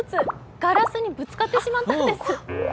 ガラスにぶつかってしまったんです。